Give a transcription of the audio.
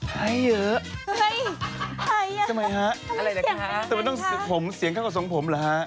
แบบเดียวเหรออะไรเหลือกันฮะอะไรหรือว่าเสียงร้อนไฟหรือฮะ